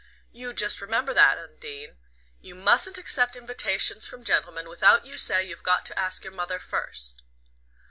You just remember that. Undine. You mustn't accept invitations from gentlemen without you say you've got to ask your mother first."